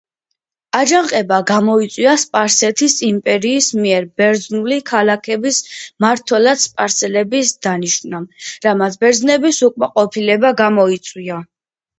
აჯანყება გამოიწვია სპარსეთის იმპერიის მიერ ბერძნული ქალაქების მმართველად სპარსელების დანიშვნამ, რამაც ბერძნების უკმაყოფილება გამოიწვია.